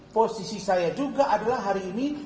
posisi saya juga adalah hari ini